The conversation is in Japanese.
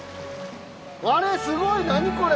あれすごい何これ？